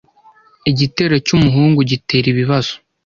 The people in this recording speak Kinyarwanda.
Igitero cyumuhungu gitera ibibazo.